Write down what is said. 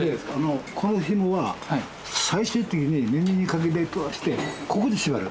このひもは最終的に耳にかけたりしてここで縛る。